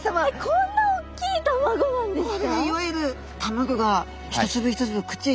こんな大きい卵なんですか！